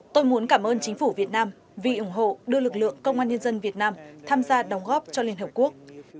tôi muốn cảm ơn chính phủ việt nam vì ủng hộ đưa lực lượng công an nhân dân việt nam tham gia đóng góp cho liên hợp quốc